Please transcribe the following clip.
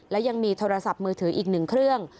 และยังมีโทรศัพท์มือถืออีกหนึ่งเครื่อง